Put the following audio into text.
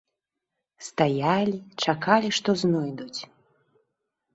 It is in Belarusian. Стаялі, чакалі, што знойдуць.